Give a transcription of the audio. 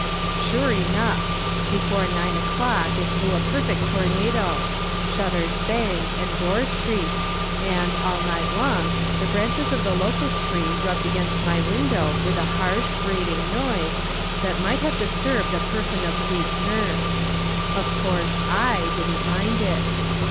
Sure enough ! before nine o'clock it blew a perfect tornado ; shutters banged and doors creaked, and, aU night long, the branches of a 23 24 From Different Standpoints. locust tree rubbed against my window with a barsb, grating noise, that miglit have disturbed a person of weak nerves. Of course I didn't mind it